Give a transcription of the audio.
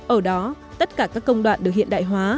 ở đó tất cả các công đoạn được hiện đại hóa